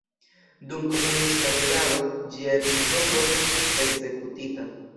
Dum komunista regado ĝia episkopo estis ekzekutita.